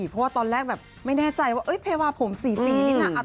เพราะว่าตอนแรกแบบไม่แน่ใจว่าเพวาผม๔๔นี่น่ะ